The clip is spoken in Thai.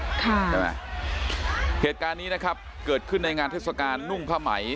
ใช่ไหมเหตุการณ์นี้นะครับเกิดขึ้นในงานเทศกาลนุ่งผ้าไหม